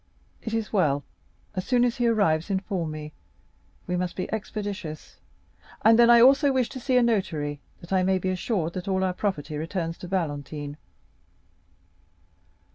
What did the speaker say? "It is well. As soon as he arrives inform me. We must be expeditious. And then I also wish to see a notary, that I may be assured that all our property returns to Valentine."